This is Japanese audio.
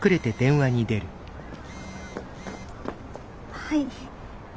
はい。